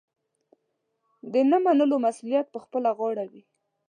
د نه منلو مسوولیت پخپله غاړه وي.